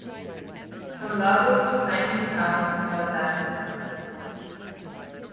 From Lagos to Simon's Town in South Africa.